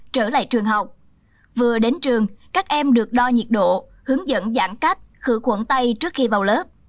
trở lại trường học vừa đến trường các em được đo nhiệt độ hướng dẫn giãn cách khử khuẩn tay trước khi vào lớp